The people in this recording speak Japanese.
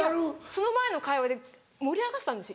その前の会話で盛り上がってたんですよ。